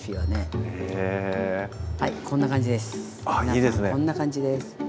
皆さんこんな感じです。